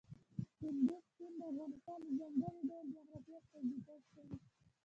کندز سیند د افغانستان د ځانګړي ډول جغرافیه استازیتوب کوي.